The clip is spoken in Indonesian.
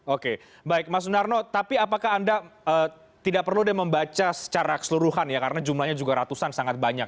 oke baik mas sunarno tapi apakah anda tidak perlu deh membaca secara keseluruhan ya karena jumlahnya juga ratusan sangat banyak